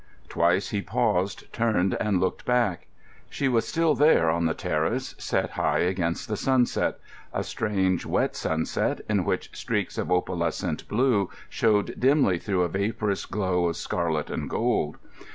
Twice he paused, turned, and looked back. She was still there on the terrace, set high against the sunset—a strange, wet sunset, in which streaks of opalescent blue showed dimly through a vaporous glow of scarlet and gold.